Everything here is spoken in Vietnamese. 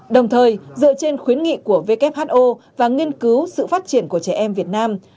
đồng thời dựa trên khuyến nghị của who và nghiên cứu sự phát triển của trẻ em việt nam